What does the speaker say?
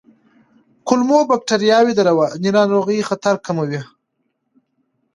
کولمو بکتریاوې د رواني ناروغیو خطر کموي.